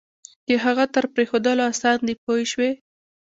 د هغه تر پرېښودلو آسان دی پوه شوې!.